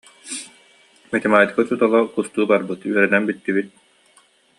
«Математика учуутала кустуу барбыт, үөрэнэн бүттүбүт»